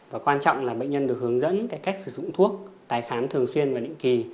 và quan trọng là bệnh nhân được hướng dẫn cách sử dụng thuốc tái khám thường xuyên và định kỳ